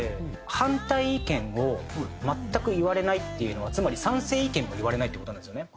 反対意見を全く言われないっていうのはつまり賛成意見も言われないっていう事なんですよね。